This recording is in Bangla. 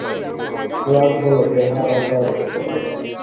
রাগ হল বেহারাটার উপর।